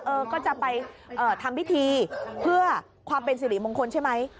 เออก็จะไปเอ่อทำพิธีเพื่อความเป็นสิริมงคลใช่ไหม